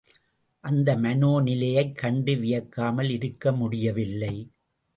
அந்த மனோநிலையைக் கண்டு வியக்காமல் இருக்க முடியவில்லை.